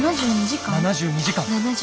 ７２時間。